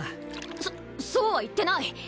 そそうは言ってない！